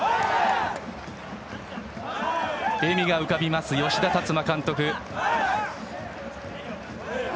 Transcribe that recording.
笑みが浮かびます、吉田達磨監督。